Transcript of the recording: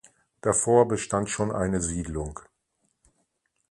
Davor bestand schon eine Siedlung.